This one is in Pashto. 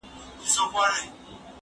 زه بايد اوبه پاک کړم.